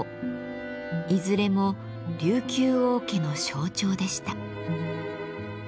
いずれも琉球王家の象徴でした。